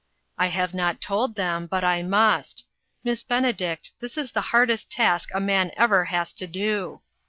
" I have not told them, but I must. Miss Ben edict, this is the hardest task a man ever has to do.